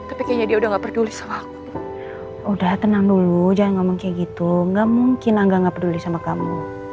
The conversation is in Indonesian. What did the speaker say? akhirnya udah gak peduli sama kope udah tenang dulu jangan mengkhidir itu enggak mungkin nggak peduli sama kamu